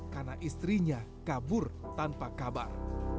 karena istrinya kabur tanpa kabar